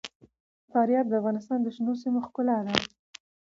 فاریاب د افغانستان د شنو سیمو ښکلا ده.